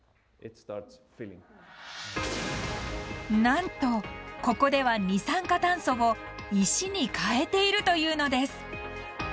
なんとここでは二酸化炭素を石に変えているというのです。